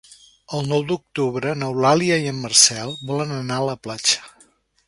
El nou d'octubre n'Eulàlia i en Marcel volen anar a la platja.